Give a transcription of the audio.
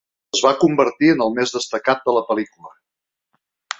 Es va convertir en el més destacat de la pel·lícula.